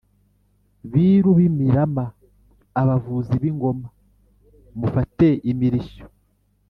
biru b’imirama: abavuzi b’ingoma (mufate imirishyo)